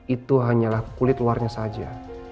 itu hanyalah kulit luarnya saja